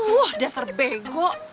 wah dasar bego